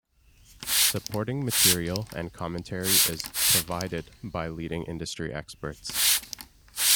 Supporting material and commentary is "provided" by leading industry experts.